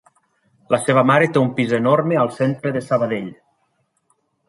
La seva mare té un pis enorme al centre de Sabadell.